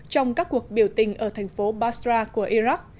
trong các cuộc biểu tình ở thành phố basra của iraq